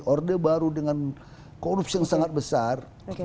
orde baru dengan korupsi yang sangat besar